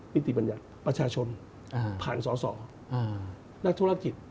ติบัญญัติประชาชนผ่านสอสอนักธุรกิจ